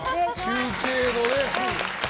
中継のね。